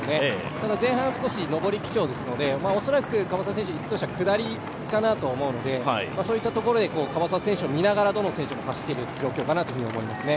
ただ前半、少し上り基調ですので、樺沢選手がいくには下りかなと思うので、そういう状況で樺沢選手を見ながらどの選手も走って行く状況かなと思いますね。